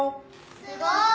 すごい！